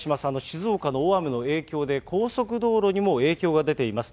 静岡の大雨の影響で、高速道路にも影響が出ています。